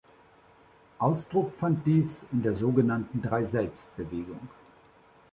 Ausdruck fand dies in der sogenannten Drei-Selbst-Bewegung.